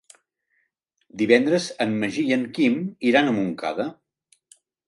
Divendres en Magí i en Quim iran a Montcada.